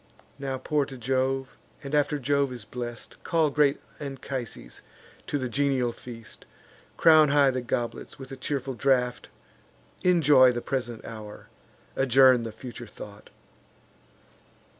Now pour to Jove; and, after Jove is blest, Call great Anchises to the genial feast: Crown high the goblets with a cheerful draught; Enjoy the present hour; adjourn the future thought."